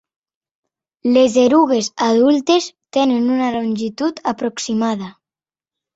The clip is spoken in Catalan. Les erugues adultes tenen una longitud aproximada.